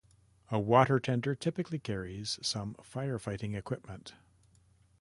A water tender typically carries some fire fighting equipment.